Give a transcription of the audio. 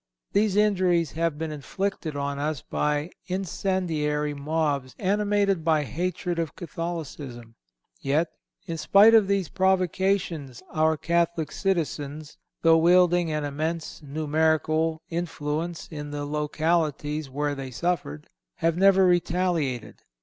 These injuries have been inflicted on us by incendiary mobs animated by hatred of Catholicism. Yet, in spite of these provocations, our Catholic citizens, though wielding an immense numerical influence in the localities where they suffered, have never retaliated.